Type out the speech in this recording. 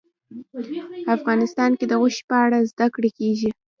افغانستان کې د غوښې په اړه زده کړه کېږي.